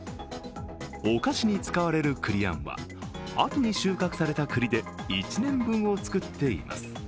お菓子に使われる栗あんは秋に収穫された栗で１年分を作っています。